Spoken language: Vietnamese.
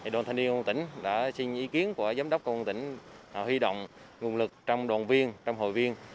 đoàn thanh niên công tỉnh đã xin ý kiến của giám đốc công an tỉnh huy động nguồn lực trong đoàn viên trong hội viên